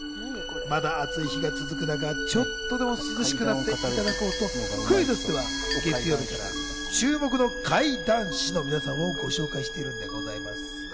まだ暑い日が続く中、ちょっとでも涼しくなっていただこうとクイズッスは月曜日から注目の怪談師の皆さんをご紹介しているんでございます。